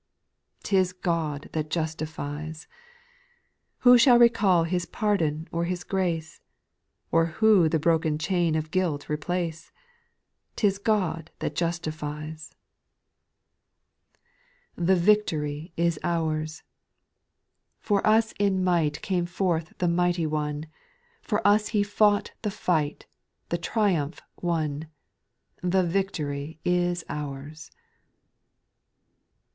' T is God that justifies I Who shall recall His pardon or His grace ! Or who the broken chain of guilt replace ? 'Tis God that justifies !— SPIRITUAL JS0NG8. 20S 6. The Tictory is ours ! For us in might came forth the mighty One, For us He fought the fight, the triumph won : The victory is ours.